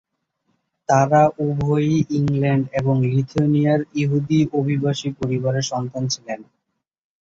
তারা উভয়ই ইংল্যান্ড এবং লিথুয়ানিয়ার ইহুদী অভিবাসী পরিবারের সন্তান ছিলেন।